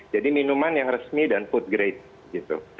jadi minuman yang resmi dan food grade gitu